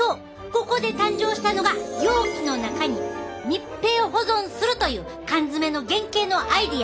ここで誕生したのが容器の中に密閉保存するという缶詰の原型のアイデア！